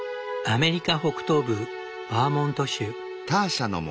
アメリカ北東部バーモント州。